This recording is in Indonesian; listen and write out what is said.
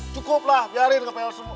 cukuplah biarin ngepel